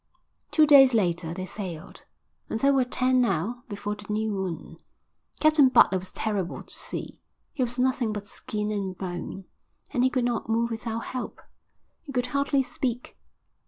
Two days later they sailed, and there were ten now before the new moon. Captain Butler was terrible to see. He was nothing but skin and bone, and he could not move without help. He could hardly speak.